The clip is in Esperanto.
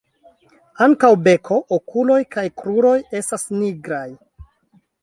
Ankaŭ beko, okuloj kaj kruroj estas nigraj.